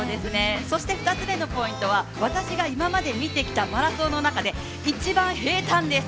そして２つめのポイントは私が今まで見てきた中で一番平たんです。